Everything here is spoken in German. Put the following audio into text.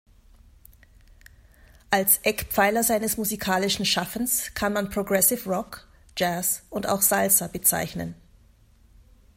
Als Eckpfeiler seines musikalischen Schaffens kann man Progressive Rock, Jazz und auch Salsa bezeichnen.